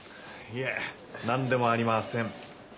いえなんでもありません。